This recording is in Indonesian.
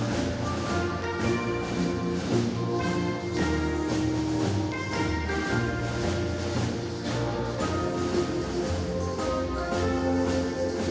pemenangan peleg dan pilpres dua ribu dua puluh empat